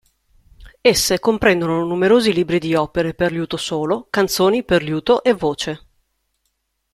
Esse comprendono numerosi libri di opere per liuto solo canzoni per liuto e voce.